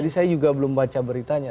jadi saya juga belum baca beritanya